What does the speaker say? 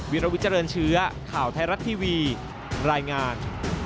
วิลวิเจริญเชื้อข่าวไทยรัฐทีวีรายงาน